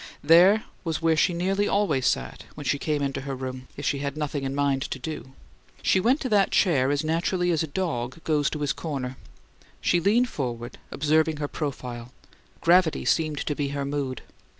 There was where she nearly always sat when she came into her room, if she had nothing in mind to do. She went to that chair as naturally as a dog goes to his corner. She leaned forward, observing her profile; gravity seemed to be her mood.